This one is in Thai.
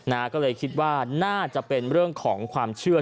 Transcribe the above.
ก็เลยคิดว่าน่าจะเป็นเรื่องของความเชื่อ